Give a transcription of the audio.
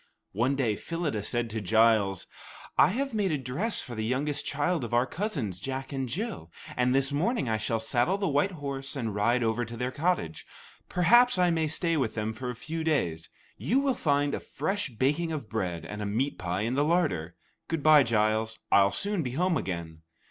One day Phyllida said to Giles: "I have made a dress for the youngest child of our cousins, Jack and Jill, and this morning I shall saddle the white horse and ride over to their cottage. Perhaps I may stay with them for a few days. You will find a fresh baking of bread and a meat pie in the larder. Good bye, Giles; I'll soon be home again."